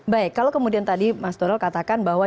baik kalau kemudian tadi mas donal katakan bahwa